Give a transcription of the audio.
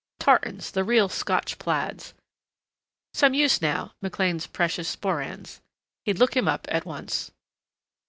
Tartans, the real Scotch plaids. Some use, now, McLean's precious sporrans.... He'd look him up at once.